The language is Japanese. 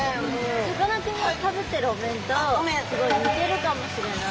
さかなクンがかぶってるお面とすごい似てるかもしれない。